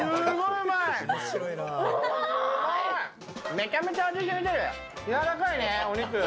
めちゃめちゃ味しみてて、柔らかいね、お肉。